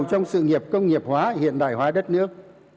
trong sự nghiệp công nghiệp hóa hiện đại hóa đất nước